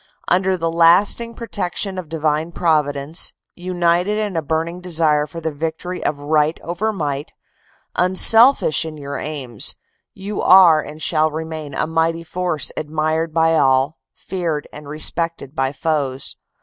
"Under the lasting protection of Divine Providence, united in a burning desire for the victory of right over might, unselfish in your aims, you are and shall remain a mighty force admired by all, feared and respected by foes.